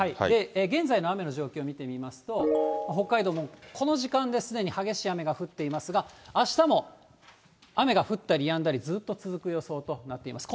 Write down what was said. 現在の雨の状況見てみますと、北海道も、この時間ですでに激しい雨が降っていますが、あしたも雨が降ったりやんだり、ずっと続く予想となっています。